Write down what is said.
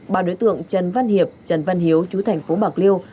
ba đối tượng trần văn hiệp trần văn hiếu chú thành phố bạc liêu